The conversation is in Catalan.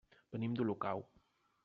Venim d'Olocau.